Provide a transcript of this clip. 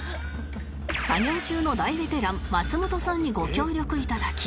作業中の大ベテラン松本さんにご協力いただき